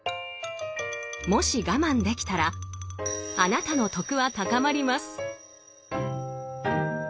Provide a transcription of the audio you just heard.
もし我慢できたらあなたの「徳」は高まります！